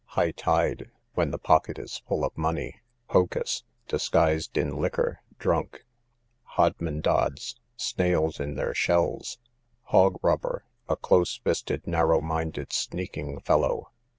High tide, when the pocket is full of money. Hocus, disguised in liquor, drunk. Hodmendods, snails in their shells. Hoggrubber, a close fisted, narrow minded, sneaking fellow.